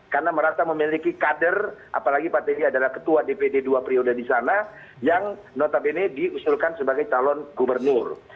karena merasa memiliki kader apalagi pak t b adalah ketua dpd dua periode di sana yang notabene diusulkan sebagai calon gubernur